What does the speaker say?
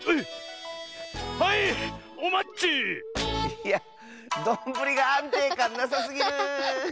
いやどんぶりがあんていかんなさすぎる！